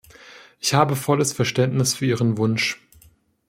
Ich habe volles Verständnis für Ihren Wunsch.